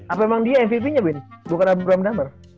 apa emang dia mvp nya wain bukan abraham dumber